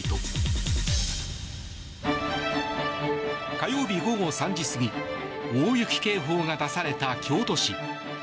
火曜日、午後３時過ぎ大雪警報が出された京都市。